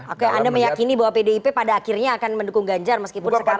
oke anda meyakini bahwa pdip pada akhirnya akan mendukung ganjar meskipun sekarang